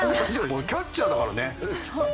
俺キャッチャーだからね。